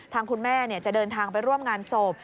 คุณแม่จะเดินทางไปร่วมงานศพ